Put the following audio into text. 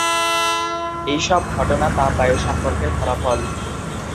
এই সব ঘটনা তাপ বায়ু সম্পর্কের ফলাফল।